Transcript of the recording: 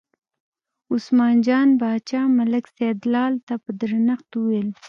عثمان جان باچا ملک سیدلال ته په درنښت وویل.